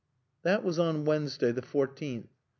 That was on Wednesday the fourteenth.